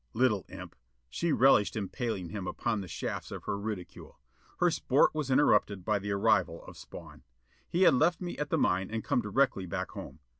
Little imp! She relished impaling him upon the shafts of her ridicule. Her sport was interrupted by the arrival of Spawn. He had left me at the mine and come directly back home.